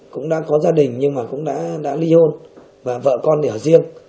cũng đã có gia đình nhưng mà cũng đã li hôn và vợ con thì ở riêng